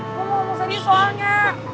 gue mau ngomong sedih soalnya